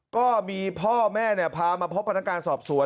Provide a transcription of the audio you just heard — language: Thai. ก็มีพ่อแม่พามาพบพนักงานสอบสวน